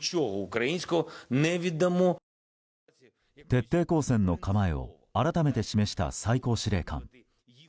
徹底抗戦の構えを改めて示した最高司令官。